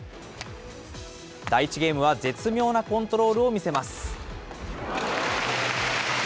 第１ゲームは絶妙なコントロールを見せます。